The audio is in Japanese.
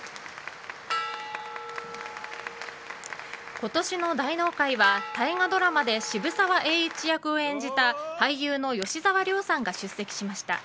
今年の大納会は大河ドラマで渋沢栄一役を演じた俳優の吉沢亮さんが出席しました。